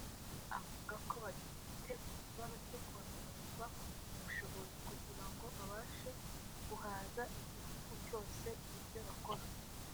Avuga ko bagifite ikibazo cyo kongererwa ubushobozi kugira ngo babashe guhaza igihugu cyose ibyo bakora